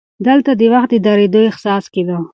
دلته د وخت د درېدو احساس کېده.